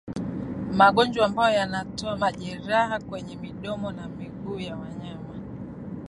Magonjwa ambayo yanatoa majeraha kwenye midomo na miguu ya wanyama